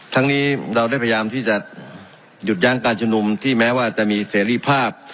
ทั้งนี้เราได้พยายามที่จะหยุดยั้งการชุมนุมที่แม้ว่าจะมีเสรีภาพ